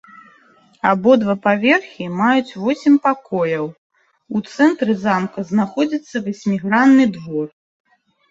Абодва паверхі маюць восем пакояў, у цэнтры замка знаходзіцца васьмігранны двор.